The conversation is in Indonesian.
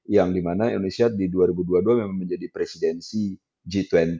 yang dimana indonesia di dua ribu dua puluh dua memang menjadi presidensi g dua puluh